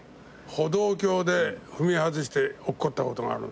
歩道橋で踏み外して落っこったことがある。